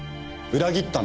裏切った？